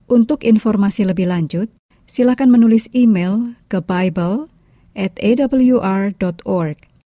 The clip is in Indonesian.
untuk informasi lebih lanjut silakan menulis email ke bible awr org